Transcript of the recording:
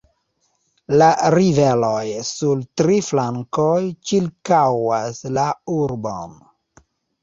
La riveroj sur tri flankoj ĉirkaŭas la urbon.